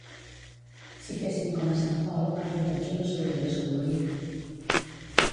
Si fessin com a Sant Pol, el rellotge no s'hauria descolorit